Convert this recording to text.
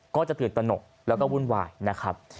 ก็จะตื่นตนกแล้วก็วุ่นวายนะครับ